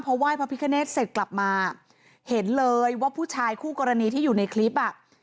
ไหว้พระพิคเนตเสร็จกลับมาเห็นเลยว่าผู้ชายคู่กรณีที่อยู่ในคลิปอ่ะ